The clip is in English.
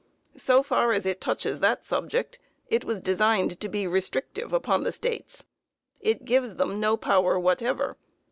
So far as it touches that subject, it was designed to be restrictive upon the States. It gives to them no power whatever.